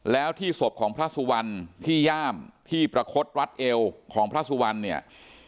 แล้วที่ศพของพระสุวรรณที่ย่ามที่ประคดรัดเอวของพระสุวรรณเนี่ย